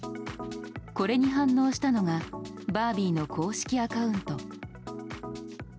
これに反応したのが「バービー」の公式アカウント。